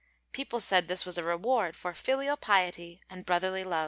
People said this was a reward for filial piety and brotherly love.